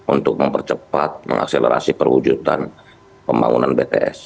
untuk mempercepat mengakselerasi perwujudan pembangunan bts